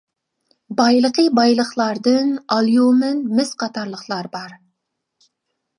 بايلىقى بايلىقلاردىن ئاليۇمىن، مىس قاتارلىقلار بار.